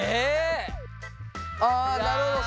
あなるほど。